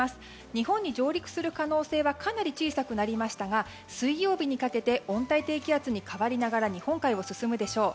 日本に上陸する可能性はかなり小さくなりましたが水曜日にかけて温帯低気圧に変わりながら日本海を進むでしょう。